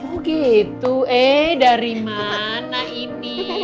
oh gitu eh dari mana ini